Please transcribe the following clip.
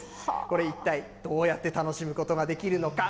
これ、一体どうやって楽しむことができるのか。